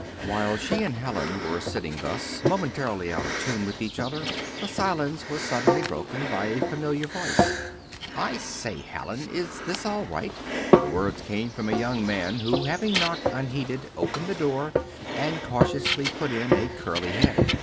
While she and Hallin were sitting thus, momentarily out of tune with each other, the silence was suddenly broken by a familiar voice. "I say, Hallin is this all right?" The words came from a young man who, having knocked unheeded, opened the door, and cautiously put in a curly head.